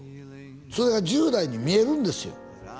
それが１０代に見えるんですよ